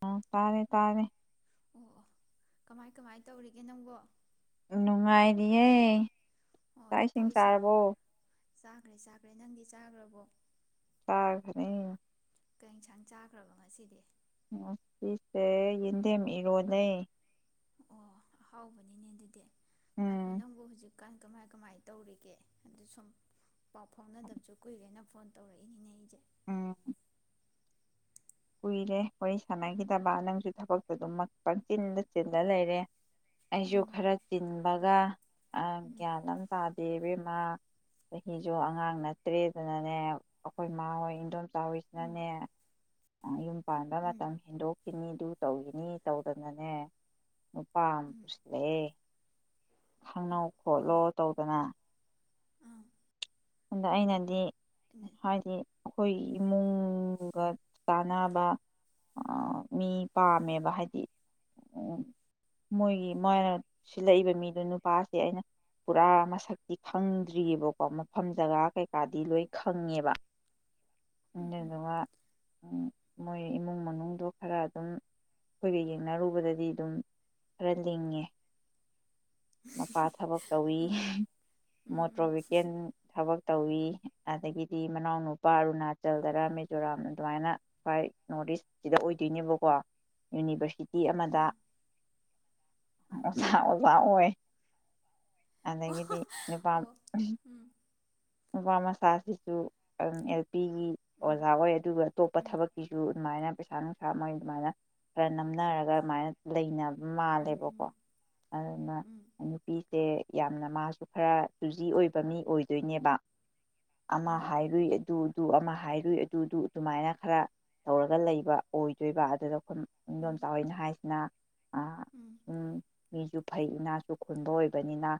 ꯑ ꯇꯥꯔꯦ ꯇꯥꯔꯦ ꯑꯣ ꯀꯃꯥꯏ ꯀꯃꯥꯏ ꯇꯧꯔꯤꯒꯦ ꯅꯪꯕꯣ ꯅꯨꯡꯉꯥꯏꯔꯤꯌꯦ ꯑꯣ ꯆꯥꯛ ꯏꯁꯤꯡ ꯆꯁꯤ ꯆꯥꯔꯕꯣ ꯆꯈ ꯆꯒ ꯅꯪ ꯆꯥꯈ꯭ꯔꯕꯣ ꯁꯥꯒꯅꯤ ꯀ ꯌꯦꯟꯁꯥꯡ ꯆꯥꯈ꯭ꯔꯕ ꯉꯁꯤꯗꯤ ꯁꯤꯁꯦ ꯌꯦꯟꯗꯦꯝ ꯏꯔꯣꯅꯦ ꯑꯣ ꯑꯍꯥꯎꯕꯅꯤꯅꯦ ꯑꯗꯨꯗꯤ ꯑꯈ ꯎꯝ ꯖ ꯗꯨꯀꯥꯟ ꯀꯃꯥꯏ ꯀꯃꯥꯏꯅ ꯇꯧꯔꯤꯒꯦ ꯑꯗꯨ ꯁꯨꯝ ꯄꯥꯎ ꯐꯥꯎꯅꯗꯕꯁꯨ ꯀꯨꯏꯔꯦꯅ ꯐꯣꯟ ꯇꯧꯔꯛꯏꯅꯤꯅꯦ ꯏꯁꯦ ꯎꯝ ꯀꯨꯏꯔꯦ ꯋꯥꯔꯤ ꯁꯥꯟꯅꯈꯤꯗꯕ ꯅꯪꯁꯨ ꯊꯕꯛꯇꯨ ꯑꯗꯨꯝꯃꯛ ꯄꯪꯆꯤꯟꯗ ꯆꯤꯟꯂ ꯂꯩꯔꯦ ꯑꯩꯁꯨ ꯎꯝ ꯈꯔ ꯆꯤꯟꯕꯒ ꯎꯝ ꯒ꯭ꯌꯥꯟ ꯑꯃ ꯇꯥꯗꯦꯕꯦꯝ ꯃꯥ ꯆꯍꯤꯁꯨ ꯑꯉꯥꯡ ꯅꯠꯇ꯭ꯔꯦꯗꯅꯅꯦ ꯑꯩꯈꯣꯏ ꯏꯃꯥ ꯍꯣꯏ ꯏꯟꯗꯣꯝ ꯎꯝ ꯆꯥꯎꯔꯤꯁꯤꯅꯅꯦ ꯌꯨꯝ ꯄꯥꯟꯕ ꯎꯝ ꯃꯇꯝ ꯍꯦꯟꯗꯣꯛꯈꯤ ꯃꯤꯗꯨ ꯇꯧꯏꯅꯤ ꯇꯧꯗꯅꯅꯦ ꯎꯄꯥ ꯎꯝ ꯄꯨꯁꯂꯦ ꯏꯃꯥ ꯈꯪꯅꯧ ꯈꯣꯠꯂꯣ ꯍꯣꯏꯅꯦ ꯇꯧꯗꯅ ꯑꯥ ꯑꯗ ꯑꯩꯅꯗꯤ ꯎꯝ ꯍꯖꯤ ꯑꯩꯈꯣꯏ ꯏꯃꯨꯡꯒ ꯆꯥꯟꯅꯕ ꯑ ꯎꯝ ꯃꯤ ꯄꯥꯃꯦ ꯑ ꯍꯥꯏꯗꯤ ꯃꯣꯏꯒꯤ ꯃꯣꯏꯅ ꯁꯤꯜꯂꯛꯏꯕ ꯃꯤꯗꯣ ꯅꯨꯄꯥꯁꯦ ꯑꯩꯅ ꯄꯨꯔꯥ ꯃꯁꯛꯇꯤ ꯈꯪꯗ꯭ꯔꯤꯑꯕꯀꯣ ꯃꯐꯝ ꯖꯒꯥ ꯀꯩꯀꯥꯗꯤ ꯂꯣꯏ ꯈꯪꯉꯦꯕ ꯎꯝ ꯎꯝ ꯂꯗꯥ ꯎ ꯃꯣꯏ ꯏꯃꯨꯡ ꯃꯅꯨꯡꯗꯣ ꯈꯔ ꯑꯗꯨꯝ ꯑꯩꯈꯣꯏꯒ ꯌꯦꯡꯅꯔꯨꯕꯗꯗꯤ ꯑꯗꯨꯝ ꯈꯔ ꯂꯤꯡꯉꯦ ꯃꯄꯥ ꯊꯕꯛ ꯇꯧꯋꯤ ꯎꯝ ꯎꯝ ꯃꯣꯇ꯭ꯔꯣ ꯎꯝ ꯚꯦꯍꯤꯀꯦꯜ ꯊꯕꯛ ꯇꯧꯋꯤ ꯑꯗꯒꯤꯗꯤ ꯃꯅꯥꯎꯅ ꯅꯨꯄꯥ ꯑꯔꯨꯅꯥꯆꯜꯗꯔ ꯃꯤꯦꯖꯣꯔꯥꯝ ꯑꯗꯨꯃꯥꯏꯅ ꯁ꯭ꯋꯥꯏ ꯅꯣꯔꯠ ꯏꯁꯁꯤꯗ ꯑꯣꯏꯗꯣꯏꯅꯦꯕꯀꯣ ꯌꯨꯅꯤꯚꯔꯁꯤꯇꯤ ꯑꯃꯗ ꯑꯥ ꯑꯥ ꯑꯣꯖꯥ ꯑꯣꯖꯥ ꯑꯣꯏ ꯑꯣ ꯑꯗꯒꯤꯗꯤ ꯅꯨꯄꯥ ꯑꯣ ꯎꯝ ꯃꯄꯥꯃ ꯁꯥꯁꯤꯁꯨ ꯅꯨꯄꯤꯒꯤ ꯎꯝ ꯑꯣꯖꯥ ꯑꯣꯏ ꯑꯗꯨꯒ ꯑꯇꯣꯞꯄ ꯎꯝ ꯊꯕꯛꯀꯤꯁꯨ ꯑꯗꯨꯃꯥꯏꯅ ꯄꯩꯁꯥ ꯅꯨꯡꯁꯥ ꯃꯣꯏ ꯑꯗꯨꯃꯥꯏꯅ ꯈꯔ ꯅꯝꯅꯔꯒ ꯑꯗꯨꯃꯥꯏꯅ ꯂꯩꯅꯕ ꯎꯝ ꯃꯥꯜꯂꯦꯕꯀꯣ ꯎꯝ ꯑꯗꯨꯅ ꯎꯝ ꯅꯨꯄꯤꯁꯦ ꯌꯥꯝꯅ ꯃꯥꯁꯨ ꯈꯔ ꯇꯨꯖꯤ ꯑꯣꯏꯕ ꯃꯤ ꯑꯣꯏꯗꯣꯏꯅꯦꯕ ꯑꯃ ꯑꯥ ꯍꯥꯏꯔꯨꯏ ꯑꯗꯨ ꯑꯗꯨ ꯑꯃ ꯍꯥꯏꯔꯨꯏ ꯑꯗꯨꯗꯨ ꯑꯗꯨꯃꯥꯏꯅ ꯈꯔ ꯇꯧꯔꯒ ꯂꯩꯕ ꯑꯣꯏꯗꯣꯏꯕ ꯑꯗꯨꯗ ꯏꯗꯣꯝ ꯎꯝ ꯆꯥꯎꯋꯅ ꯍꯥꯏꯁꯤꯅ ꯎꯝ ꯁꯨꯝ ꯃꯤꯁꯨ ꯐꯩ ꯏꯅꯥꯁꯨ ꯈꯨꯟꯕ ꯑꯣꯏꯕꯅꯤꯅ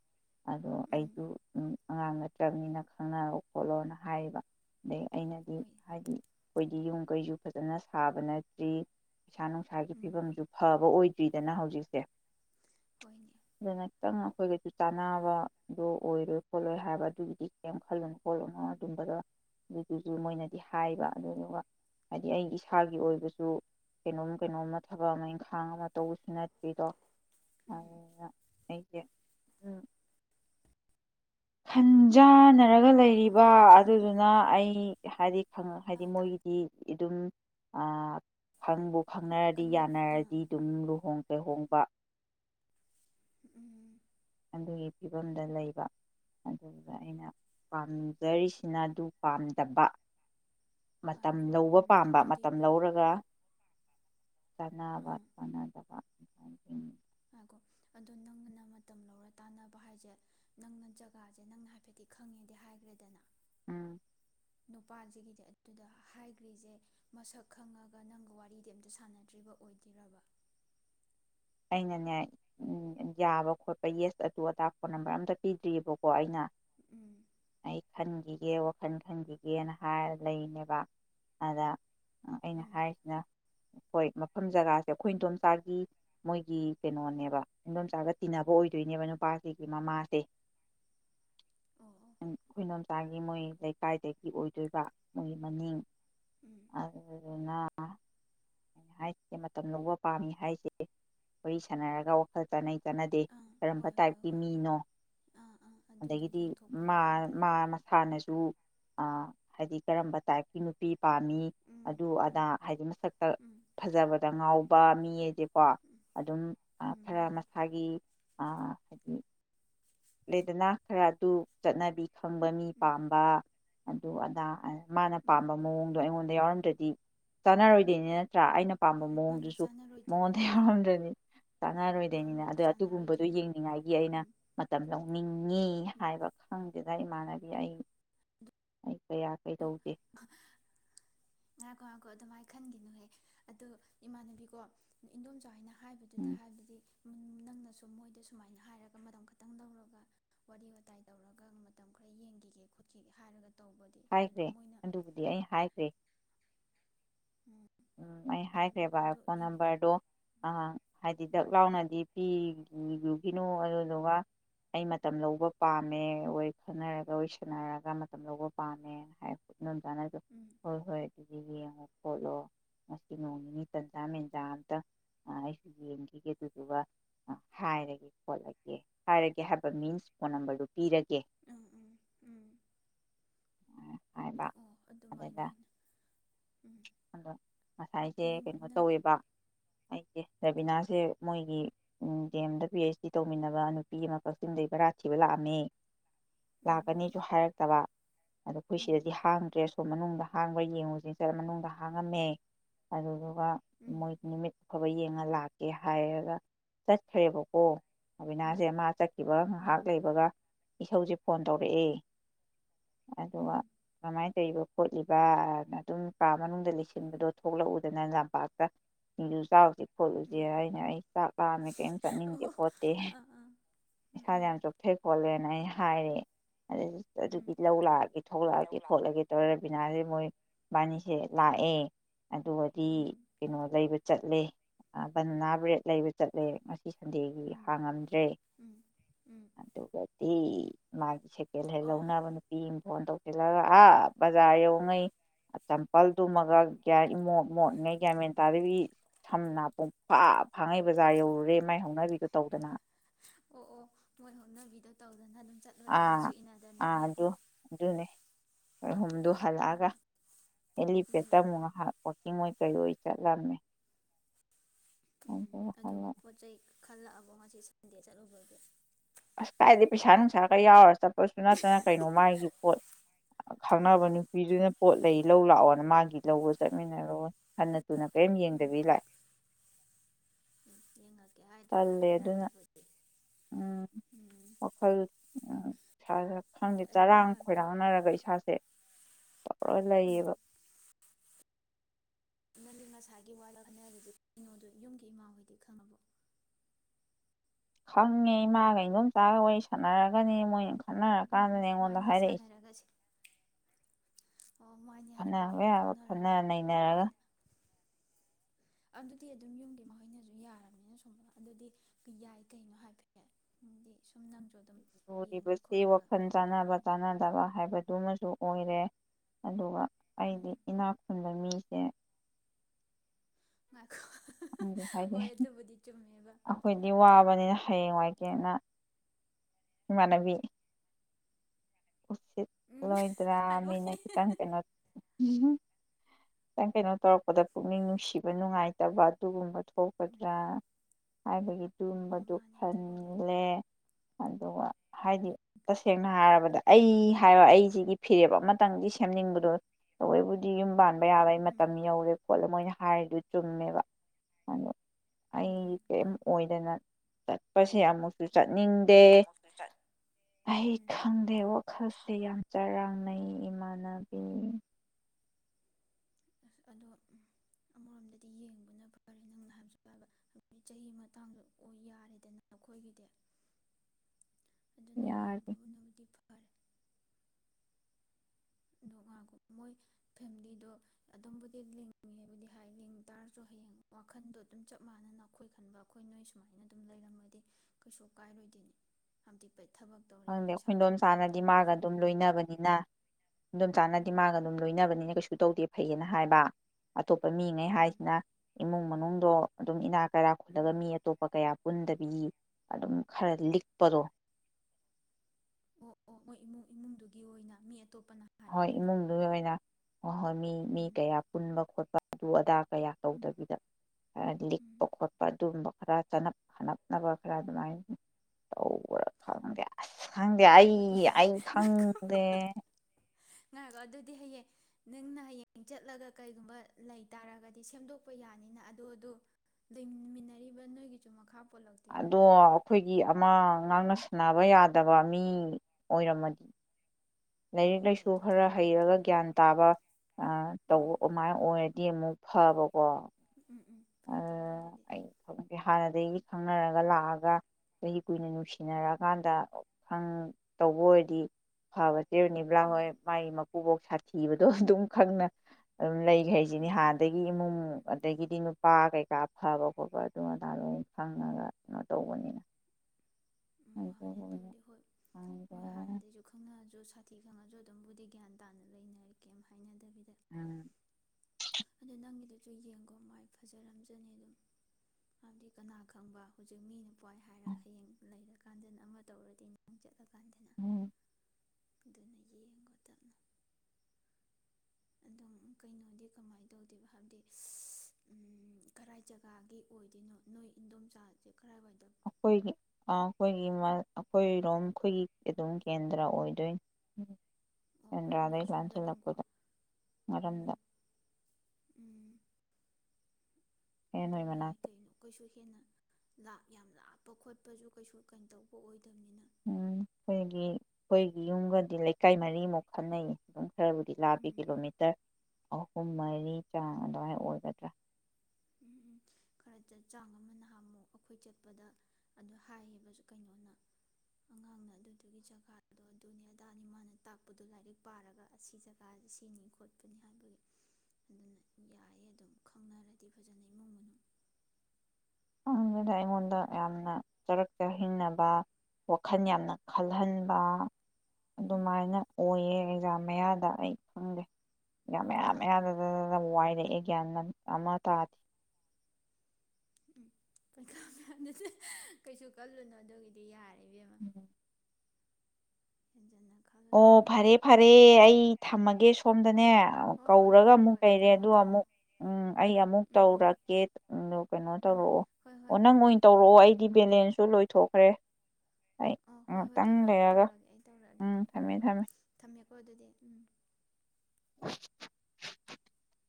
ꯑꯗꯣ ꯎꯝ ꯑꯩꯁꯨ ꯎꯝ ꯑꯉꯥꯡ ꯅꯠꯇ꯭ꯔꯕꯅꯤꯅ ꯈ ꯈꯪꯅꯔꯣ ꯈꯣꯠꯂꯣꯅ ꯍꯥꯏꯌꯦꯕ ꯑꯗꯩ ꯑꯩꯅꯗꯤ ꯍꯣꯏ ꯍꯥꯏꯗꯤ ꯑꯩꯈꯣꯏꯗꯤ ꯌꯨꯝ ꯀꯩꯁꯨ ꯐꯖꯅ ꯁꯥꯕ ꯅꯠꯇ꯭ꯔꯤ ꯄꯩꯁꯥ ꯅꯨꯡꯁꯥꯒꯤ ꯎꯝ ꯐꯤꯕꯝꯁꯨ ꯐꯕ ꯑꯣꯏꯗ ꯭ꯔꯤꯗꯅ ꯍꯧꯖꯤꯛꯁꯦ ꯍꯣꯏꯅꯦ ꯑꯗꯨꯅꯛꯇ ꯉ ꯑꯩꯈꯣꯏꯒꯗꯤ ꯆꯥꯟꯅꯕꯗꯣ ꯑꯣꯏꯔꯣꯏ ꯈꯣꯠꯂꯣꯏ ꯍꯥꯏꯕ ꯑꯗꯨꯒꯤꯗꯤ ꯀꯩꯝ ꯈꯜꯂꯨꯅꯨ ꯈꯣꯠꯂꯨꯅꯨ ꯑꯗꯨꯝꯕꯗꯣ ꯑꯗꯨꯗꯨꯁꯨ ꯃꯣꯏꯅꯗꯤ ꯍꯥꯏꯕ ꯑꯗꯨꯗꯨꯒ ꯍꯥꯏꯗꯤ ꯑꯩ ꯏꯁꯥꯒꯤ ꯑꯣꯏꯕꯁꯨ ꯀꯩꯅꯣꯝ ꯀꯩꯅꯣꯝꯃ ꯊꯕꯛ ꯑꯃ ꯏꯪꯈꯥꯡ ꯑꯃ ꯇꯧꯕꯁꯨ ꯅꯠꯇ꯭ꯦꯗꯣ ꯑ ꯎꯝ ꯑꯩ ꯎ ꯍ ꯆꯥꯟꯅꯔꯒ ꯂꯩꯔꯤꯕ ꯑꯗꯨꯗꯨꯅ ꯑꯩ ꯍꯥꯏꯗꯤ ꯍꯥꯏꯗꯤ ꯑ ꯇ ꯃꯣꯏꯒꯤꯗꯤ ꯑꯗꯨꯝ ꯈꯪꯕ ꯐꯪꯅꯔꯗꯤ ꯀꯩꯅꯣ ꯑ ꯌꯥꯅꯔꯗꯤ ꯑꯗꯨꯝ ꯂꯨꯍꯣꯡ ꯂꯨꯍꯣꯡꯕ ꯎꯝ ꯑꯗ ꯐꯤꯕꯝꯗ ꯂꯩꯕ ꯑꯗꯨꯒ ꯑꯗ ꯑꯩꯅ ꯄꯥꯝꯖꯔꯤꯁꯤꯅ ꯑꯗꯨ ꯄꯥꯝꯗꯕ ꯃꯇꯝ ꯉꯥꯏꯈꯣ ꯂꯧꯕ ꯎꯝ ꯄꯥꯝꯕ ꯑꯗꯨꯗꯤ ꯃꯇꯝ ꯂꯧꯔꯒ ꯆꯥꯅꯕ ꯀꯥꯟꯅꯗꯕ ꯑꯗꯨꯅ ꯍꯥꯏꯀꯣ ꯑꯗ ꯅꯪꯅ ꯃꯇꯝ ꯂꯧꯔ ꯇꯥꯟꯅꯕ ꯍꯥꯏꯁꯦ ꯅꯪꯅ ꯖꯒꯥꯁꯦ ꯅꯪꯅ ꯍꯥꯏꯐꯦꯗꯤ ꯈꯪꯉꯦꯗꯤ ꯍꯥꯏꯈ꯭ꯔꯦꯗꯅ ꯎꯝ ꯅꯨꯄꯥꯁꯤꯒꯤꯗꯤ ꯑꯗꯨꯗ ꯍꯥꯏꯈ꯭ꯔꯤꯁꯦ ꯃꯁꯛ ꯈꯪꯉꯒ ꯅꯪꯒ ꯋꯥꯔꯤꯗꯤ ꯑꯝꯇ ꯁꯥꯟꯅꯗ꯭ꯔꯤꯕ ꯑꯣꯏꯗꯣꯏꯔꯕ ꯑꯩꯅꯅꯦ ꯌꯥꯕ ꯈꯣꯠꯄ ꯌꯦꯁ ꯑꯗꯨ ꯑꯗꯥ ꯐꯣꯟ ꯅꯝꯕꯔ ꯑꯝꯇ ꯄꯤꯗ꯭ꯔꯤꯑꯕꯀꯣ ꯑꯩꯅ ꯎꯝ ꯑꯩ ꯈꯟꯖꯤ ꯒꯦ ꯋꯥꯈꯜ ꯈꯟꯈꯤꯒꯦꯅ ꯍꯥꯏꯔ ꯂꯩꯅꯦꯕ ꯑꯗ ꯑꯩꯅ ꯎꯝ ꯍꯥꯏꯔꯤꯁꯤꯅ ꯍꯣꯏ ꯃꯐꯝ ꯖꯒꯥꯁꯦ ꯈꯈꯣꯏꯗꯣꯝꯆꯥꯒꯤ ꯃꯣꯏꯒꯤ ꯀꯩꯅꯣꯅꯦꯕ ꯏꯗꯣꯝꯆꯥꯒ ꯇꯤꯟꯅꯕ ꯑꯣꯏꯗꯣꯏꯅꯦꯕ ꯅꯨꯄꯥꯁꯤꯒꯤ ꯃꯃꯥꯁꯦ ꯑꯣ ꯑꯣ ꯍꯗꯣꯝꯆꯥꯒꯤ ꯃꯣꯏ ꯂꯩꯀꯥꯏꯗꯒꯤ ꯑꯣꯏꯗꯣꯏꯕ ꯃꯣꯏ ꯃꯅꯤꯡ ꯎꯝ ꯑ ꯑꯗꯨꯅ ꯑ ꯑꯩꯅ ꯍꯥꯏꯁꯦ ꯃꯇꯝ ꯂꯧꯕ ꯄꯥꯝꯃꯤ ꯍꯥꯏꯁꯦ ꯋꯥꯔꯤ ꯁꯥꯟꯅꯔꯒ ꯋꯥꯈꯜ ꯆꯥꯟꯅꯩ ꯆꯠꯅꯗꯦ ꯑꯥ ꯀꯔꯝꯕ ꯍꯣꯏ ꯍꯣꯏ ꯇꯥꯏꯞꯀꯤ ꯍꯣꯏ ꯃꯤꯅꯣ ꯑꯥ ꯑꯥ ꯑꯗꯨꯗꯣ ꯑꯗꯒꯤꯗꯤ ꯌꯦꯡꯊꯣꯛꯄꯅ ꯃꯥ ꯐꯩꯗꯅ ꯃꯥ ꯃꯁꯥꯅꯁꯨ ꯍꯥꯏꯗꯤ ꯀꯔꯝꯕ ꯇꯥꯏꯞꯀꯤ ꯅꯨꯄꯤ ꯄꯥꯝꯃꯤ ꯎꯝ ꯑꯗꯨ ꯎꯝ ꯑꯗꯥ ꯍꯥꯏꯗꯤ ꯃꯁꯛꯇ ꯎꯝ ꯐꯖꯕꯗ ꯉꯥꯎꯕ ꯃꯤ ꯍꯥꯏꯗꯤ ꯀꯣ ꯎꯝ ꯑꯗꯨꯝ ꯎꯝ ꯈꯔ ꯃꯥꯅꯤ ꯃꯁꯥꯒꯤ ꯂꯩꯗꯅꯥ ꯈꯔ ꯑꯗꯨ ꯆꯠꯅꯕꯤ ꯈꯪꯕ ꯃꯤ ꯎꯝ ꯄꯥꯝꯕ ꯑꯗꯨ ꯑꯗꯥ ꯃꯥꯅ ꯎꯝ ꯄꯥꯝꯕ ꯃꯑꯣꯡꯗꯣ ꯑꯩꯉꯣꯟꯗ ꯌꯥꯎꯔꯝꯗ꯭ꯔꯗꯤ ꯆꯥꯟꯅꯔꯣꯏꯗꯣꯏꯅꯦ ꯅꯠꯇ꯭ꯔꯥ ꯑꯩꯅ ꯄꯥꯝꯕ ꯃꯅꯤ ꯃꯑꯣꯡꯗꯨꯁꯨ ꯆꯥꯟꯅꯔꯣꯏꯗꯣꯏꯅꯤ ꯃꯉꯣꯟꯗ ꯌꯥꯎꯔꯝꯗꯅꯤ ꯆꯥꯟꯅꯔꯣꯏꯗꯣꯏꯅꯤꯅ ꯌꯥꯎꯔꯝꯗ꯭ꯔꯗꯤ ꯑꯗ ꯑꯗꯨꯒꯨꯝꯕꯗꯨꯣ ꯆꯥꯟꯅꯔꯣꯏꯗꯣꯏꯅꯤ ꯌꯦꯡꯅꯤꯡꯉꯥꯏꯒꯤ ꯑꯩꯅ ꯎꯝ ꯃꯇꯝ ꯂꯧꯅꯤꯡꯏꯤ ꯎꯝ ꯍꯥꯏꯕ ꯈꯪ ꯑꯗꯨꯗꯥꯏ ꯃꯥꯅꯕꯤ ꯑꯩ ꯑꯩ ꯀꯌꯥ ꯀꯩꯗꯧꯗꯦ [unintelligible] ꯉꯥꯢꯈꯣ ꯉꯥꯢꯈꯣ ꯑꯗꯨꯃꯥꯏ ꯈꯟꯒꯤꯅꯨꯍꯦ ꯑꯗꯨ ꯏꯃꯥꯟꯅꯕꯤꯀꯣ ꯏꯟꯗꯣꯝꯆꯥ ꯍꯣꯢꯅ ꯍꯥꯏꯕꯗꯨꯗ ꯎꯝ ꯍꯥꯏꯕꯗꯤ ꯅꯪꯅꯁꯨ ꯃꯣꯏꯗ ꯁꯨꯃꯥꯏꯅ ꯍꯥꯏꯔꯒ ꯃꯇꯝ ꯈꯛꯇꯪ ꯂꯧꯔꯒ ꯋꯥꯔꯤ ꯋꯥꯇꯥꯏ ꯇꯧꯔꯒ ꯃꯇꯝ ꯈꯔ ꯌꯦꯡꯈꯤꯒꯦ ꯈꯣꯠꯈꯤꯒꯦ ꯍꯥꯏꯔꯒ ꯇꯧꯕ ꯍꯥꯏꯒ꯭ꯔꯦ ꯑꯗꯨꯕꯨꯗꯤ ꯑꯩ ꯍꯥꯏꯒ꯭ꯔꯦ ꯎꯝ ꯎꯝ ꯑꯩ ꯑꯗꯨꯝ ꯍꯥꯏꯒ꯭ꯔꯦꯕ ꯑꯗꯣ ꯐꯣꯟ ꯎꯝ ꯅꯝꯕꯔꯗꯣ ꯑ ꯍꯥꯏꯗꯤ ꯗꯛ ꯎꯝ ꯂꯥꯎꯅꯗꯤ ꯄꯤ ꯔꯨꯒꯤꯅꯨ ꯑꯗꯨꯗꯨꯒ ꯑꯩ ꯃꯇꯝ ꯂꯧꯕ ꯄꯥꯝꯃꯦ ꯑꯣꯏ ꯈꯟꯅꯔꯒ ꯋꯥꯔꯤ ꯁꯦꯟꯅꯔꯒ ꯃꯇꯝ ꯂꯧꯕ ꯄꯥꯝꯃꯦ ꯍꯥꯏꯕ [unintelligible] ꯍꯣꯏ ꯍꯣꯏ ꯑꯗꯨ ꯌꯦꯡꯉꯣ ꯈꯣꯠꯂꯣ ꯉꯁꯤ ꯅꯣꯡ ꯅꯤꯅꯤ ꯇꯟꯖꯥ ꯃꯦꯟꯖꯥ ꯑꯝꯇꯪ ꯑꯩꯁꯨ ꯌꯦꯡꯈꯤꯒꯦ ꯑꯗꯨꯗꯨꯒ ꯍꯥꯏꯔꯒꯦ ꯈꯣꯠꯂꯒꯦ ꯍꯥꯏꯔꯒꯦ ꯍꯥꯏꯕ ꯃꯤꯟꯁ ꯐꯣꯟ ꯅꯝꯕꯔꯗꯣ ꯄꯤꯔꯒꯦ ꯎꯝ ꯎꯝ ꯎꯝ ꯍꯥꯏꯕ ꯑꯣ ꯑꯗꯨꯃꯥꯏꯅ ꯑꯗꯩꯗ ꯑꯣꯏꯅ ꯎꯝ ꯑꯗꯣ ꯉꯁꯥꯏꯁꯦ ꯌꯨꯝ ꯀꯩꯅꯣ ꯅꯪ ꯇꯧꯋꯦꯕ ꯑꯩꯁꯦ ꯀꯩ ꯔꯕꯤꯅꯥꯁꯦ ꯃꯣꯏ ꯑꯩꯒꯤ ꯗꯤ ꯑꯦꯝꯗ ꯄꯤ ꯑꯩꯆ ꯗꯤ ꯇꯧꯃꯤꯟꯅꯕ ꯅꯨꯄꯤ ꯑꯃ ꯀꯛꯆꯤꯡꯗꯩ ꯕꯔꯥ ꯊꯤꯕ ꯂꯥꯛꯑꯝꯃꯦ ꯎꯝ ꯂꯥꯛꯀꯅꯤꯁꯨ ꯍꯥꯏꯔꯛꯇꯕ ꯑꯗꯣ ꯑꯩꯈꯣꯏ ꯎꯝ ꯁꯤꯗꯗꯤ ꯍꯥꯡꯗ꯭ꯔꯦ ꯁꯣꯝ ꯃꯅꯨꯡꯗ ꯍꯥꯡꯕꯔꯥ ꯌꯦꯡꯉꯨꯁꯦ ꯆꯠ ꯃꯅꯨꯡꯗ ꯍꯥꯡꯉꯝꯃꯦ ꯑꯗꯨ ꯃꯥ ꯎꯝ ꯃꯣꯏ ꯅꯨꯃꯤꯠ ꯑꯐꯕ ꯌꯦꯡꯉ ꯂꯥꯛꯀꯦ ꯍꯥꯏꯔꯒ ꯆꯠꯈ꯭ꯔꯦꯕꯀꯣ ꯎꯝ ꯑꯕꯤꯅꯥꯁꯦ ꯃꯥ ꯆꯠꯈꯤꯕꯒ ꯉꯥꯏꯍꯥꯛ ꯎꯝ ꯂꯩꯕꯒ ꯏꯁꯧꯁꯦ ꯐꯣꯟ ꯇꯧꯔꯛꯑꯦ ꯑꯗꯨꯒ ꯎꯝ ꯀꯃꯥꯏꯅ ꯇꯧꯔꯤꯕ ꯈꯣꯠꯂꯤꯕꯅ ꯑꯗꯨꯝ ꯀꯥ ꯃꯅꯨꯡꯗ ꯂꯩꯁꯤꯟꯕꯗꯣ ꯊꯣꯛꯂꯛꯎꯗꯅ ꯂꯝꯄꯥꯛꯇ ꯁꯤꯡꯖꯨ ꯆꯥꯎꯁꯤ ꯈꯣꯠꯂꯨꯁꯦ ꯎꯝ ꯑꯩꯅ ꯑꯩ ꯆꯥꯛ ꯂꯥꯑꯝꯃꯦ ꯀꯤꯝ ꯆꯠꯅꯤꯡꯗꯦ ꯑꯣ ꯈꯣꯠꯇꯦ ꯑꯥ ꯑꯥ ꯎꯝ ꯏꯁꯥꯁꯦ ꯌꯥꯝ ꯆꯣꯛꯊꯩ ꯈꯣꯠꯂꯦꯅ ꯑꯩ ꯍꯥꯏꯔꯦ ꯎꯝ ꯑꯗꯨꯒꯤ ꯂꯧ ꯂꯥꯛꯑꯒꯦ ꯊꯣꯛꯂꯛꯑꯒꯦ ꯈꯣꯠꯂꯒꯦ ꯇꯧꯔꯦ ꯔꯕꯤꯅꯥꯁꯦ ꯃꯣꯏ ꯃꯕꯅꯤꯁꯦ ꯂꯥꯛ ꯑꯦ ꯑꯗꯨꯒꯗꯤ ꯎꯝ ꯀꯩꯅꯣ ꯂꯩꯕ ꯆꯠꯂꯦ ꯕꯅꯅꯥ ꯕ꯭ꯔꯦꯗ ꯂꯩꯕ ꯆꯠꯂꯦ ꯉ ꯁꯤ ꯁꯟꯗꯦꯒꯤ ꯎꯝ ꯍꯥꯡꯉꯝꯗ꯭ꯔꯦ ꯎꯝ ꯎꯝ ꯑꯗꯨꯒꯗꯤ ꯃꯥꯒꯤ ꯁꯦ ꯀꯦꯟꯍꯦꯜ ꯑꯣ ꯂꯧꯅꯕ ꯅꯨꯄꯤ ꯑꯃ ꯐꯣꯟ ꯇꯧꯁꯤꯜꯂꯒ ꯑꯥ ꯕꯖꯥꯔ ꯌꯧꯉꯩ ꯆꯝꯄꯜ ꯗꯨꯝꯃꯒ ꯀꯌꯥ ꯏꯃꯣꯠ ꯃꯣꯠꯂꯤꯉꯩ ꯀꯌꯥ ꯃꯦꯟ ꯇꯥꯗꯕꯤ ꯁꯝꯅ ꯄꯨꯡꯐꯥ ꯐꯥꯡꯉꯩ ꯕꯖꯥꯔ ꯌꯧꯔꯨꯔꯦ ꯃꯥꯏ ꯍꯧꯅꯕꯤꯗꯣ ꯇꯧꯗꯅ ꯑꯣ ꯑꯣ ꯃꯣꯏ ꯍꯣꯠꯅꯕꯤꯗ ꯇꯧ ꯑꯗꯨꯅ ꯑꯗꯨꯝ ꯆꯠꯂꯨꯔꯦ ꯅꯪꯁꯨ ꯑꯥ ꯏꯅꯗꯅ ꯑꯥ ꯑꯗꯨ ꯅꯣꯏꯈꯨꯝ ꯑꯗꯨꯅꯦ ꯑꯍꯨꯝꯗꯨ ꯍꯜꯂꯛꯑꯒ ꯎꯝ ꯍꯦꯂꯤꯄꯦꯠꯇ ꯑꯃꯨꯛ ꯉꯥꯛ ꯋꯥꯛꯀꯤꯡ ꯑꯣꯏꯅ ꯀꯩ ꯑꯣꯏ ꯆꯠꯂꯝꯃꯦ ꯎꯝ ꯑꯗꯨꯒ ꯄꯣꯠ ꯆꯩ ꯈꯜꯂꯛꯑꯕꯣ ꯉꯁꯤ ꯁꯟꯗꯦꯗ ꯆꯠꯂꯨꯕꯒꯦ ꯑꯁ ꯀꯥꯏꯗꯩ ꯄꯩꯁꯥ ꯅꯨꯡꯁꯥꯒ ꯌꯥꯎꯔꯒ ꯆꯠꯄꯁꯨ ꯅꯠꯇꯅ ꯀꯩꯅꯣ ꯃꯥꯒꯤ ꯄꯣꯠ ꯈꯪꯅꯕ ꯅꯨꯄꯤꯗꯨꯅ ꯄꯣꯠ ꯂꯩ ꯂꯧ ꯂꯥꯛꯑꯣꯅ ꯃꯥꯒꯤ ꯂꯧꯕ ꯆꯠꯃꯤꯟꯅꯔꯣ ꯍꯟꯅ ꯑꯗꯨꯨꯅ ꯀꯔꯤꯝ ꯎꯝ ꯌꯦꯡꯗꯕꯤ ꯂꯥꯛ ꯌꯦꯉꯦ ꯇꯜꯂꯦ ꯑꯗꯨꯅ ꯎꯝ ꯋꯥꯈꯜ ꯁꯥ ꯈꯪꯗꯦ ꯑꯗꯨ ꯆꯔꯥꯡ ꯉꯥꯏꯈꯣ ꯈꯣꯏꯔꯥꯡꯅꯔꯒ ꯏꯁꯥꯁꯦ ꯇꯧꯔꯒ ꯎꯝ ꯂꯩꯌꯦꯕ ꯏꯗꯤ ꯃꯁꯥꯒꯤ ꯋꯥꯂ ꯈꯟꯅꯔꯤꯗꯤ ꯀꯅꯣꯗꯨ ꯌꯨꯝꯒꯤ ꯏꯃꯥꯍꯣꯏꯗꯤ ꯈꯪꯉꯕꯣ ꯈꯪꯉꯦ ꯏ ꯃꯥꯥꯒ ꯏꯗꯣꯝꯆꯥꯒ ꯋꯥꯔꯤ ꯁꯥꯟꯅꯔꯒꯅꯦ ꯃꯣꯏꯅ ꯈꯅꯔ ꯎꯝ ꯎꯝ ꯀꯥꯟꯗꯅꯦ ꯑꯩꯉꯣꯟꯗ ꯋꯥꯏꯅꯤ ꯍꯥꯏꯔꯛꯏꯁꯦ ꯁꯥꯟꯅꯔꯒ ꯁꯦ ꯑꯣ ꯃꯣꯏꯅꯤ ꯍꯥꯟꯅ ꯈꯕ ꯄꯥꯎ ꯂꯣꯏ ꯌꯥꯕ ꯐꯥꯎꯅꯔꯒ ꯈꯅ ꯅꯩꯅꯔꯒ ꯑꯗꯨꯗꯤ ꯑꯗꯨꯝ ꯌꯨꯝꯒꯤ ꯃꯈꯩꯅꯁꯨ ꯌꯥꯔꯕꯅꯤꯅ ꯁꯨꯝꯕ ꯑꯗꯨꯗꯤ ꯌꯥꯏ ꯀꯩꯅꯣ ꯍꯥꯏꯕꯗꯤ ꯁꯨꯝ ꯅꯪ ꯂꯨꯔꯤꯕꯁꯤ ꯋꯥꯈꯜ ꯆꯥꯟꯅꯕ ꯆꯥꯟꯅꯗꯕ ꯍꯥꯏꯕꯗꯨꯃꯁꯨ ꯑꯣꯏꯔꯦ ꯑꯗꯨꯒ ꯑꯩꯗꯤ ꯎꯝ ꯏꯅꯥꯛ ꯈꯨꯨꯟꯕ ꯃꯤ ꯦ ꯉꯥꯏꯈꯣ ꯪ ꯍꯥꯏꯗꯤꯦ ꯍꯣꯏ ꯑꯗꯨꯕꯨꯗꯤ ꯆꯨꯝꯃꯦꯕ ꯑꯩꯈꯣꯏꯗꯤ ꯋꯥꯕꯅꯤꯅ ꯍꯌꯦꯡꯋꯥꯏ ꯦꯅ ꯏꯃꯥꯟꯅꯕꯤ ꯎ ꯎꯆ ꯎꯝ ꯂꯣꯏꯗꯔꯃꯤꯅ ꯍꯥꯏꯔꯛꯑꯣꯅꯦ ꯀꯇ ꯀ ꯈꯤꯇꯪ ꯀꯩꯅꯣ ꯇꯧꯔꯛꯄꯗ ꯄꯨꯛꯅꯤꯡ ꯅꯨꯡꯁꯤꯕ ꯅꯨꯡꯉꯥꯏꯇꯕ ꯑꯗꯨꯒꯨꯝꯕ ꯗ꯭ꯔꯦ ꯍꯥꯏꯗꯒꯤ ꯎꯝ ꯑꯗꯨꯝꯕꯗꯨ ꯃꯥꯅꯦ ꯑꯗꯨꯕꯨꯗꯤ ꯈꯜꯂꯦ ꯑꯗꯨꯒ ꯍꯥꯏꯗꯤ ꯎꯝ ꯇꯁꯦꯡꯅ ꯍꯥꯏꯔꯕꯗ ꯑꯩ ꯍꯥꯏꯕ ꯑꯩꯁꯤꯒꯤ ꯐꯤꯔꯦꯞ ꯑꯃꯇꯪꯗꯤ ꯁꯦꯝꯅꯤꯡꯕꯗꯣ ꯇꯧꯑ‌ꯦ ꯕꯨꯗꯤ ꯌꯨꯝꯕꯥꯟ ꯕ ꯌꯥꯕꯒꯤ ꯎꯝ ꯃꯇꯝ ꯌꯧꯔꯦ ꯈꯣꯠꯂ ꯃꯣꯏꯅ ꯍꯥꯏꯗꯨ ꯆꯨꯝꯃꯦꯕ ꯑꯗ ꯎꯝ ꯎꯝ ꯑꯩ ꯀꯩꯝ ꯃꯥꯅꯤ ꯑꯣꯏꯗꯅ ꯆꯠ ꯄꯁꯦ ꯑꯃꯨꯛꯁꯨ ꯆꯠꯅꯤꯡ ꯗ‌ꯦ ꯑꯩ ꯎꯝ ꯈꯪꯗ‌ꯦ ꯕ‌ꯣ ꯁꯦ ꯌꯥꯝ ꯆꯔꯥꯡꯅꯩ ꯏꯃꯥꯟꯅꯕꯤ ꯑꯁ ꯑꯗꯣ ꯑꯃꯔꯣꯝꯗꯗꯤ ꯌꯦꯡꯕꯅ ꯐꯔꯦ ꯅꯪꯅ ꯍꯥꯏꯕꯁꯨ ꯍꯥꯏꯕ ꯍꯥꯏꯕꯗꯤ ꯆꯍꯤ ꯃꯇꯥꯡꯗ ꯑꯣꯏ ꯌꯥꯔꯦꯗꯅ ꯑꯩꯈꯣꯏꯒꯤꯗꯤ ꯑꯗꯨꯅ ꯌꯥꯔ‌ꯦ ꯌꯦꯡꯕꯅꯕꯨꯗꯤ ꯐꯔꯦ ꯑꯣ ꯉꯥꯡ ꯃꯣꯏ ꯐꯦꯝꯃꯤꯂꯤꯗꯣ ꯑꯗꯨꯝꯕꯨꯗꯤ ꯂꯤꯡꯉꯦꯕꯨꯗꯤ ꯍꯥꯏ ꯂꯤꯡ ꯇꯥꯔꯁꯨ ꯍꯌꯦꯡ ꯋꯥꯈꯟꯗꯣ ꯑꯗꯨꯝ ꯆꯞ ꯃꯥꯟꯅꯅ ꯑꯩꯈꯣꯏ ꯈꯟꯕ ꯑꯩꯈꯣꯏ ꯅꯣꯏ ꯁꯨꯃꯥꯏꯅ ꯑꯗꯨꯝ ꯂꯩꯔꯝꯃꯗꯤ ꯀꯩꯁꯨ ꯀꯥꯏꯔꯣꯏꯗꯣꯏꯅꯤ ꯍꯥꯏꯕꯗꯤ ꯊꯕꯛ ꯇꯧꯔꯦ ꯈꯪꯗꯦ ꯄꯩꯁꯥ ꯈꯣꯏꯗꯣꯝ ꯄꯥꯏ ꯍꯥꯏ ꯆꯥꯅꯗꯤ ꯃꯥꯒ ꯇꯥꯔꯒꯁꯨ ꯑꯗꯨꯝ ꯂꯣꯏꯅꯕꯅꯤꯅ ꯑꯗꯨꯝ ꯆꯥꯟꯅꯗꯤ ꯎꯝ ꯃꯥꯒ ꯑꯗꯨꯝ ꯂꯣꯏꯅꯕꯅꯤꯅ ꯀꯩꯁꯨ ꯇꯧꯗꯦꯕ ꯐꯩꯌꯦꯅ ꯍꯥꯏꯕ ꯑꯇꯣꯞꯄ ꯃꯤꯉꯩ ꯎꯝ ꯍꯥꯏꯁꯤꯅ ꯏꯃꯨꯡ ꯃꯅꯨꯡ ꯑꯗꯣ ꯑꯗꯨꯝ ꯏꯅꯥꯛ ꯀꯔꯥ ꯎꯝ ꯈꯨꯠꯂꯒ ꯃꯤ ꯑꯇꯣꯞꯄ ꯀꯌꯥ ꯄꯨꯟꯗꯕꯤ ꯑꯗꯨꯝ ꯈꯔ ꯂꯤꯛꯄꯗꯣ ꯑꯣ ꯑꯣ ꯑꯣ ꯏꯃꯨꯡ ꯏꯃꯨꯡꯗꯨꯒꯤ ꯑꯣꯏꯅ ꯃꯤ ꯑꯇꯣꯞꯄꯅ ꯍꯣꯏ ꯍꯥꯏꯕꯗꯨꯅ ꯏꯃꯨꯡꯗꯨꯒꯤ ꯑꯣꯏꯅ ꯍ‌ꯣꯏ ꯍꯣꯏ ꯃꯤ ꯃꯤ ꯎꯝ ꯀꯌꯥ ꯄꯨꯟꯕ ꯈꯣꯠꯄ ꯑꯗꯨ ꯑꯗꯥ ꯀꯌꯥ ꯎꯝ ꯇꯧꯗꯕꯤꯗ ꯎꯝ ꯂꯤꯛꯄ ꯈꯣꯠꯄ ꯑꯗꯨꯝꯕ ꯈꯔ ꯆꯅꯞ ꯍꯅꯞꯅꯕ ꯈꯔ ꯑꯗꯨꯃꯥꯏꯅ ꯇꯧꯕꯔ ꯈꯪꯗꯦ ꯑꯁ ꯈꯪꯗꯦ ꯑꯩ ꯑꯗꯨꯕꯨꯗꯤ ꯑꯩ ꯈꯪꯗꯦ ꯉꯥꯏꯀꯣ ꯑꯗꯨꯗꯤ ꯍꯌꯦꯡ ꯅꯪꯅ ꯍꯌꯦꯡ ꯆꯠꯂꯒ ꯀꯩꯒꯨꯝꯕ ꯂꯩ ꯇꯥꯔꯒꯗꯤ ꯁꯦꯝꯗꯣꯛꯄ ꯌꯥꯅꯤꯅ ꯑꯗꯨ ꯑꯗꯨ ꯂꯩꯃꯤꯟꯅꯔꯤꯕ ꯅꯣꯏꯒꯤꯁꯨ ꯃꯈꯥ ꯄꯣꯜꯂꯛꯇꯣꯏ ꯑꯗꯣ ꯅꯠꯇ꯭ꯔꯣ ꯑꯩꯈꯣꯏꯒꯤ ꯑꯃ ꯉꯥꯡꯅ ꯁꯥꯟꯅꯕ ꯌꯥꯗꯕ ꯃꯤ ꯑꯣꯏꯔꯝꯃꯗꯤ ꯂꯥꯏꯔꯤꯛ ꯍꯣꯏ ꯂꯥꯏꯁꯨ ꯑꯗꯨꯗꯤ ꯈꯔ ꯍꯩꯔꯒ ꯂꯨꯗꯣꯏꯅꯤ ꯒ꯭ꯌꯥꯟ ꯇꯥꯕ ꯎꯝ ꯇꯧꯕ ꯑꯗꯨꯃꯥꯏꯅ ꯑꯣꯏꯔꯗꯤ ꯑꯃꯨꯛ ꯐꯕ ꯀꯣ ꯎꯝ ꯎꯝ ꯑ ꯐꯗꯣꯏꯅꯤ ꯑꯗꯨꯗꯤ ꯑꯩ ꯈꯪꯗ‌ꯦ ꯍꯥꯏꯔ ꯑꯗꯒꯤ ꯈꯪꯅꯔꯒ ꯂꯥꯛꯑꯒ ꯆꯍꯤ ꯀꯨꯏꯅ ꯅꯨꯡꯁꯤꯅꯔꯛꯑꯀꯥꯟꯗ ꯈꯪ ꯇꯧꯕ ꯑꯣꯏꯔꯗꯤ ꯐꯕꯅꯤ ꯆ‌ꯦ ꯔꯣꯅꯤꯕꯥꯂꯥ ꯍꯣꯏ ꯎꯝ ꯃꯥꯏ ꯃꯀꯨꯕꯣꯛ ꯁꯥ ꯊꯤꯕꯗꯣ ꯑꯗꯨꯝ ꯈꯪꯅ ꯑꯗꯨꯝ ꯂꯩ ꯒꯩ ꯁꯤꯅꯤ ꯎꯝ ꯎꯝ ꯍꯥꯟꯗꯒꯤ ꯏꯃꯨꯡ ꯑꯗꯒꯤꯗꯤ ꯀꯥ ꯀꯩꯀꯥ ꯐꯕ ꯈꯣꯠꯄ ꯑꯗꯨ ꯑꯗꯥ ꯂꯣꯏ ꯈꯪꯉꯒ ꯀꯩꯅꯣ ꯇꯧꯕꯅꯤꯅ ꯎ ꯃꯥꯅꯦ ꯑꯗꯨꯕꯨꯗꯤ ꯍꯣꯏ ꯃꯣꯏ ꯑꯗꯣꯝꯕꯨꯗꯤ ꯒ꯭ꯌꯥꯟ ꯇꯥꯅ ꯂꯩꯅꯔꯦꯩꯝ ꯍꯥꯏꯅꯗꯒꯦ ꯎꯝ ꯑꯗꯣ ꯅꯪꯒꯤꯗꯨꯁꯨ ꯌꯦꯡꯀꯣ ꯃꯥꯏ ꯐꯖꯔꯝꯖꯅꯤ ꯑꯗꯨꯝ ꯍꯥꯏꯕꯗꯤ ꯀꯅꯥ ꯈꯪꯕ ꯍꯧꯖꯤꯛ ꯃꯤꯅ ꯄꯏ ꯍꯥꯏꯔꯒ ꯍꯌꯦꯡ ꯂꯩꯔꯀꯥꯟꯗꯅ ꯑꯃ ꯇꯧꯔꯗꯤ ꯇ ꯆꯠꯗꯀꯅꯤ ꯎꯝ ꯑꯗꯨꯅ ꯌꯦꯡꯕ ꯇꯞꯅ ꯑꯗꯨꯝ ꯀꯩꯅꯣꯗꯤ ꯀꯃꯥꯏꯅ ꯇꯧꯗꯦꯕ ꯍꯥꯏꯕꯗꯤ ꯀꯗꯥꯥꯏ ꯖꯒꯥꯒꯤ ꯑꯣꯏꯗꯣꯏꯅꯣ ꯅꯣꯏ ꯏꯗꯣꯝꯆꯥꯁꯦꯕ ꯍꯣꯏꯅꯤ ꯑꯥꯣꯏ ꯑꯩꯈꯣꯏꯔꯣꯝ ꯑꯩꯈꯣꯏꯒꯤ ꯑꯗꯨꯝ ꯀꯦꯟꯗ꯭ꯔ ꯑꯣ ꯑꯣꯏꯗꯣꯏꯅꯤ ꯅꯣꯏ ꯗꯩ ꯑꯁꯣꯝꯗ ꯑꯗꯨꯝꯀꯣ ꯂꯥꯟꯁꯤꯂꯄꯗ ꯎꯝ ꯃꯔꯔꯝꯗ ꯎꯝ ꯑꯗꯨ ꯌꯥꯏ ꯃꯅꯥꯛꯇ ꯀꯩꯅꯣ ꯀꯩꯁꯨ ꯍꯦꯟꯅ ꯂ ꯌꯥꯝ ꯂꯥꯞꯄ ꯈꯣꯠꯄꯁꯨ ꯀꯩꯁꯨ ꯀꯩꯅꯣ ꯇꯧꯕ ꯑꯣꯏꯗꯕꯅꯤꯅ ꯎꯝ ꯑꯩꯈꯣꯏꯒꯤ ꯑꯩꯈꯣꯏꯒꯤ ꯌꯨꯝꯒꯗꯤ ꯂꯩꯀꯥꯏ ꯃꯔꯤꯃꯨꯛ ꯈꯟꯅꯩ ꯑꯗꯨꯝ ꯈꯔꯕꯨꯗꯤ ꯂꯥꯄꯤ ꯎꯝ ꯀꯤꯂꯣꯃꯤꯇꯔ ꯑꯍꯨꯝ ꯃꯔꯤ ꯆꯥꯡ ꯑꯗꯨꯃꯥꯏ ꯑꯣꯏꯒꯗ꯭ꯔꯥ ꯎꯝ ꯎꯝ ꯈꯔ ꯆ ꯆꯥꯡ ꯑꯃ ꯅꯍꯥꯟ ꯑꯃꯨꯛ ꯑꯩꯈꯣꯏ ꯆꯠꯄꯗ ꯑꯗꯨ ꯍꯥꯏꯌꯦꯕ ꯀꯩꯅꯣꯅ ꯑꯉꯥꯡꯅ ꯑꯗꯨꯗꯨꯒꯤ ꯖꯒꯥꯗꯣ ꯑꯗꯨꯅꯤ ꯑꯗꯥꯅꯤ ꯃꯥꯅ ꯇꯥꯛꯄꯗꯣ ꯂꯥꯏꯔꯤꯛ ꯄꯥꯔꯒ ꯑꯁꯤ ꯖꯒꯥ ꯁꯤꯅꯤ ꯈꯣꯠꯄꯅꯤ ꯍꯥꯏꯕꯒꯤ ꯑꯗꯨꯅ ꯌꯥꯌꯦ ꯑꯗꯨꯝ ꯈꯪꯅꯔꯦ ꯗꯤ ꯐꯖꯩ ꯃ ꯃꯅꯨꯡꯨ ꯑꯩꯗꯨꯗ ꯑꯩꯉꯣꯟꯗ ꯌꯥꯝꯅ ꯆꯔꯛ ꯆꯥ ꯍꯤꯡꯅꯕ ꯋꯥꯈꯜ ꯌꯥꯝꯅ ꯈꯜꯍꯟꯕ ꯎꯝ ꯑꯗꯨꯃꯥꯏꯅ ꯑꯣꯏꯌꯦ ꯑꯦꯛꯖꯥꯝ ꯃꯌꯥꯗ ꯑꯩ ꯈꯪꯗꯦ ꯑꯦꯛꯖꯥ ꯃꯌꯥ ꯃꯌꯥꯗ ꯋꯥꯏꯔꯛꯑꯦ ꯒ꯭ꯌꯥꯟ ꯑꯃ ꯇꯥꯗꯦ ꯎꯝ ꯄꯩꯈꯥ ꯃ ꯀꯩꯁꯨ ꯀꯜꯂꯨꯅꯣ ꯑꯗꯨꯒꯤꯗꯤ ꯌꯥꯔꯦ ꯎꯝ ꯖꯅ ꯑꯣ ꯐꯔꯦ ꯐꯔꯦ ꯑꯩ ꯊꯝꯃꯒꯦ ꯁꯣꯝꯗꯅꯦ ꯍꯣꯏ ꯍꯣꯏ ꯀꯧꯔꯒ ꯍꯣꯏ ꯑꯃꯨꯛ ꯍꯣꯏ ꯂꯩꯔꯦ ꯊꯝꯃꯣ ꯑꯗꯣ ꯊꯝꯃꯣ ꯑꯃꯨꯛ ꯎ ꯑꯩ ꯑꯃꯨꯛ ꯎꯝ ꯎꯝ ꯇꯧꯔꯛꯀꯦ ꯀꯩꯅꯣ ꯎꯝ ꯇꯧꯔꯛꯑꯣ ꯍꯣꯏ ꯑꯣ ꯍꯣꯏ ꯅꯪ ꯍꯣꯏ ꯍꯣꯏ ꯑꯣꯏꯅ ꯇꯧꯔꯛꯑꯣ ꯑꯩꯗꯤ ꯕꯦꯂꯦꯟꯁꯁꯨ ꯂꯣꯏ ꯊꯣꯛꯈ꯭ꯔꯦ ꯑ ꯍꯣꯏ ꯍꯣꯏ ꯇꯧꯔꯛꯑꯒꯦ ꯇꯧꯔꯑꯒꯦ ꯑꯩ ꯇꯧꯔꯛꯑꯒꯦ ꯎꯝ ꯊꯝꯃꯦ ꯎꯝ ꯊꯝꯃꯦ ꯊꯝꯃꯦꯀꯣ ꯑꯗꯨꯗꯤ ꯎꯝ [inaudible]